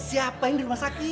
siapa yang di rumah sakit